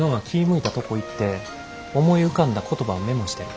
向いたとこ行って思い浮かんだ言葉をメモしてる。